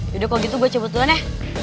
yaudah kalau gitu gue cebut duluan eh